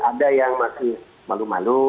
ada yang masih malu malu